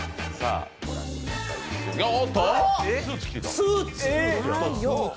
スーツ？